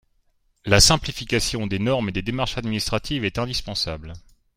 La simplification des normes et des démarches administratives est indispensable.